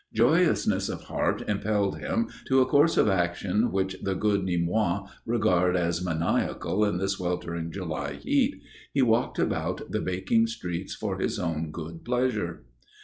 Joyousness of heart impelled him to a course of action which the good Nîmois regard as maniacal in the sweltering July heat he walked about the baking streets for his own good pleasure.